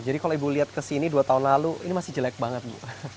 jadi kalau ibu lihat ke sini dua tahun lalu ini masih jelek banget bu